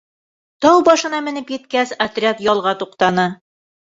Тау башына менеп еткәс, отряд ялға туҡтаны.